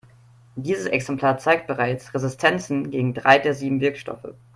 Dieses Exemplar zeigt bereits Resistenzen gegen drei der sieben Wirkstoffe.